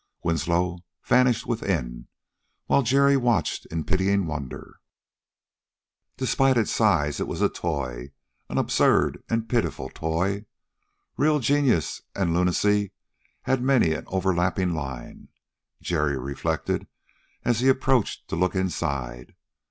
Winslow vanished within, while Jerry watched in pitying wonder. Despite its size, it was a toy, an absurd and pitiful toy. Real genius and lunacy had many an over lapping line, Jerry reflected as he approached to look inside.